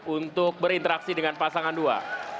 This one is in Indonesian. untuk berinteraksi dengan pasangan dua